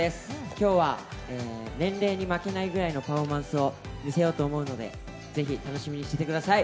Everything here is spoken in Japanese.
今日は年齢に負けないぐらいのパフォーマンスを見せようと思うので、ぜひ楽しみにしていてください。